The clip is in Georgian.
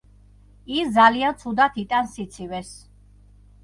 ის ძალიან ცუდად იტანს სიცივეს.